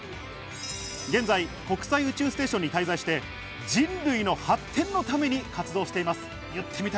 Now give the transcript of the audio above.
現在、国際宇宙ステーションに滞在して人類の発展のために活動しています。